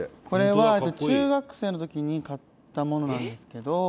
「これは中学生の時に買ったものなんですけど」